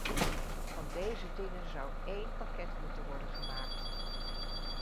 Van deze dingen zou één pakket moeten worden gemaakt.